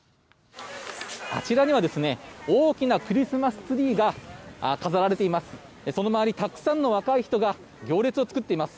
あちらには大きなクリスマスツリーが飾られています。